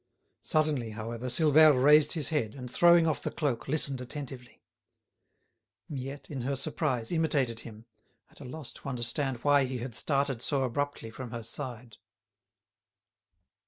Suddenly, however, Silvère raised his head and, throwing off the cloak, listened attentively. Miette, in her surprise, imitated him, at a loss to understand why he had started so abruptly from her side.